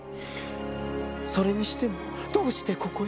「それにしてもどうしてここへ？